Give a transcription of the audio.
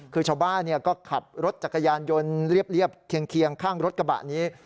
คือชาวบ้านก็ขับรถจักรยานยนต์เรียบเคียงข้างรถกระบะนี้